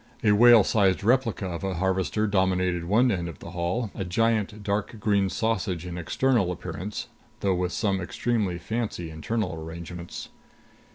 A whale sized replica of a Harvester dominated one end of the Hall, a giant dark green sausage in external appearance, though with some extremely fancy internal arrangements.